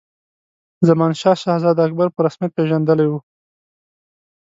زمانشاه شهزاده اکبر په رسمیت پېژندلی وو.